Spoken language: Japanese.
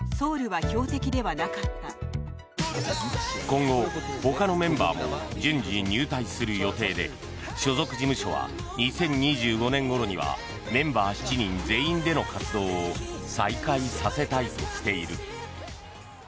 今後、ほかのメンバーも順次、入隊する予定で所属事務所は２０２５年ごろにはメンバー７人全員での活動を再開させたいとしている。